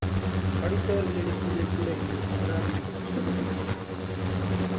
படித்தவர்களிடத்திலே கூட இன்று நன்றாக இல்லை.